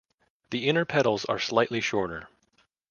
The inner petals are slightly shorter.